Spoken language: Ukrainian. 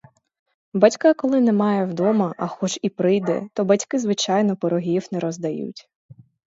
Батька ніколи немає вдома, а хоч і прийде, то батьки звичайно пирогів не роздають.